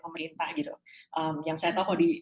pemerintah gitu yang saya tahu kalau di